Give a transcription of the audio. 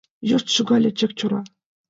Йошт шогале Чакчора.